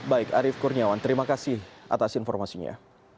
baik arief kurniawan terima kasih atas informasinya